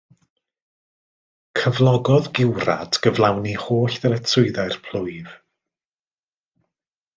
Cyflogodd giwrad gyflawni holl ddyletswyddau'r plwyf.